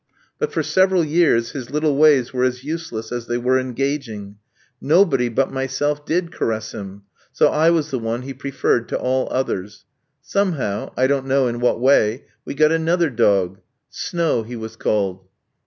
But for several years his little ways were as useless as they were engaging. Nobody but myself did caress him; so I was the one he preferred to all others. Somehow I don't know in what way we got another dog. Snow he was called.